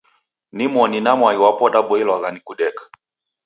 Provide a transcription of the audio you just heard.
Nimoni na mwai wapo daboilwagha ni kudeka.